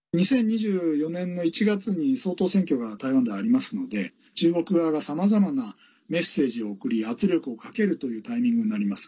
２０２４年の１月に総統選挙が台湾ではありますので中国側がさまざまなメッセージを送り圧力をかけるというタイミングになります。